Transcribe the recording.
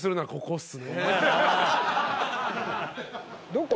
どこ？